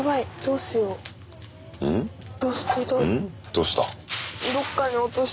どうした？